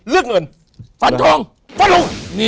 เลือกเงินฟันทรงฟันหลุง